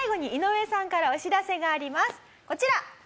こちら。